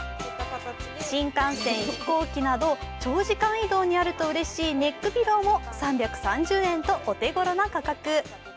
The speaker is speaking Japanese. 新幹線、飛行機など長時間移動にあるとうれしいネックピローも３３０円とお手ごろな価格。